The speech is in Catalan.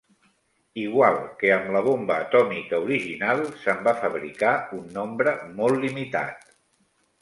Igual que amb la bomba atòmica original, se"n va fabricar un nombre molt limitat.